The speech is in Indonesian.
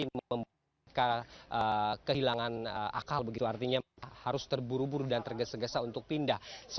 mereka sebetulnya pasrah dengan kondisi